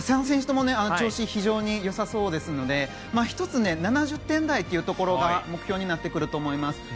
３選手とも調子が良さそうなので７０点台というところが目標になってくると思います。